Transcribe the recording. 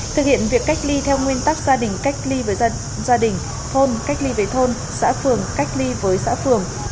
thực hiện việc cách ly theo nguyên tắc gia đình cách ly với gia đình thôn cách ly về thôn xã phường cách ly với xã phường